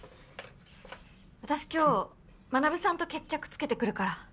私今日学さんと決着つけてくるから。